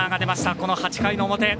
この８回の表。